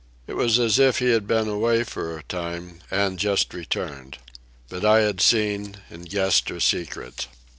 It was as if he had been away for a time and just returned. But I had seen, and guessed her secret.